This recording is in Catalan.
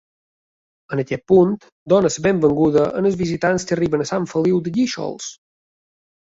En aquest punt, dóna la benvinguda als visitants que arriben a Sant Feliu de Guíxols.